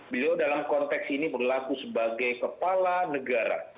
beliau dalam konteks ini berlaku sebagai kepala negara